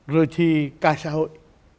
rồi thì cả xã hội